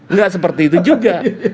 nggak seperti itu juga